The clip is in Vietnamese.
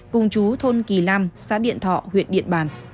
cùng chú thôn kỳ lam xã điện thọ huyện điện bàn